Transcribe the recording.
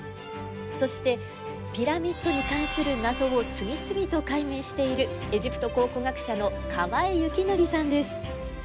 そしてピラミッドに関する謎を次々と解明しているエジプト考古学者の河江肖剰さんです。